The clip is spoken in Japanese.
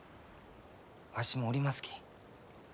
わしもおりますき。